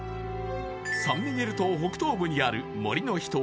サンミゲル島北東部にある森の秘湯